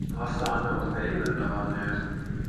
Vastahan me olimme eilen tavanneet.